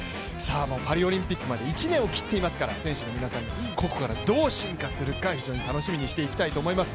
パリオリンピックまで１年を切っていますから、選手の皆さんがここからどう進化するか非常に楽しみにしていきたいと思います。